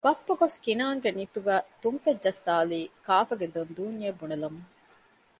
ބައްޕަގޮސް ކިނާންގެ ނިތުގައި ތުންފަތް ޖައްސާލީ ކާފަގެ ދޮންދޫންޏޭ ބުނެލަމުން